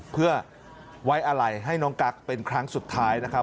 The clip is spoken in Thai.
เพื่อไว้อะไรให้น้องกั๊กเป็นครั้งสุดท้ายนะครับ